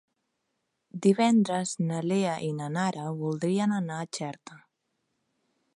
Divendres na Lea i na Nara voldrien anar a Xerta.